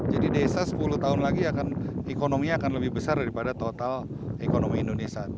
jadi desa sepuluh tahun lagi ekonominya akan lebih besar daripada total ekonomi indonesia